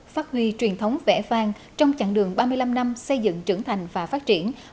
phát huy truyền thống vẽ vang trong chặng đường ba mươi năm năm xây dựng trưởng thành và phát triển